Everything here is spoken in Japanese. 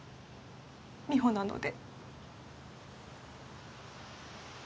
美帆なので